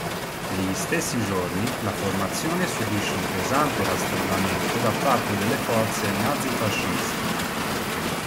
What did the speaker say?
Negli stessi giorni, la formazione subisce un pesante rastrellamento da parte delle forze nazifasciste.